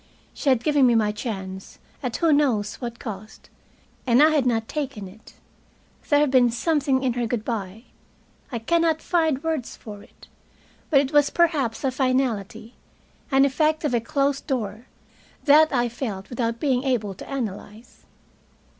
She had given me my chance, at who knows what cost, and I had not taken it. There had been something in her good by I can not find words for it, but it was perhaps a finality, an effect of a closed door that I felt without being able to analyze.